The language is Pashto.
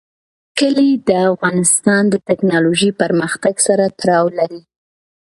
کلي د افغانستان د تکنالوژۍ پرمختګ سره تړاو لري.